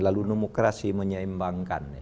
lalu demokrasi menyeimbangkan